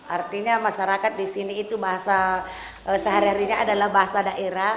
artinya masyarakat di sini itu bahasa sehari harinya adalah bahasa daerah